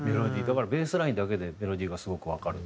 だからベースラインだけでメロディーがすごくわかる。